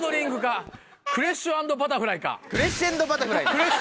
クレッシェンドバタフライ？